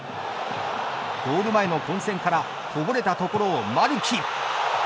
ゴール前の混戦からこぼれたところをマルキ。